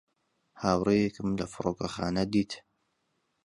هاوڕێیەکم لە فڕۆکەخانە دیت.